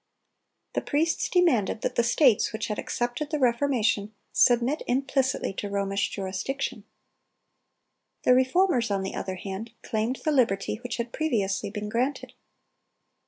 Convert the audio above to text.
The priests demanded that the states which had accepted the Reformation submit implicitly to Romish jurisdiction. The Reformers, on the other hand, claimed the liberty which had previously been granted.